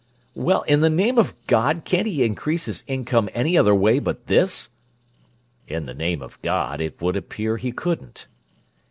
"Well, in the name of God, can't he increase his income any other way but this?" "In the name of God, it would appear he couldn't."